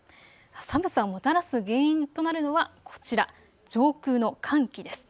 寒さをもたらす原因となるのはこちら、上空の寒気です。